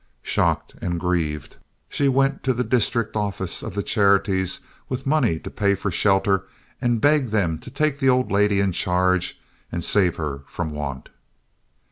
Shocked and grieved, she went to the district office of the Charities with money to pay for shelter and begged them to take the old lady in charge and save her from want.